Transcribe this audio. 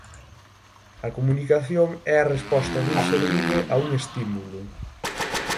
A comunicación é a resposta dun ser vivo a un estímulo.